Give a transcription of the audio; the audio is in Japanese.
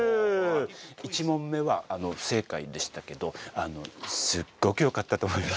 １問目は不正解でしたけどあのすっごく良かったと思います。